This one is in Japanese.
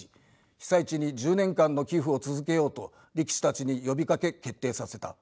被災地に１０年間の寄付を続けようと力士たちに呼びかけ決定させた。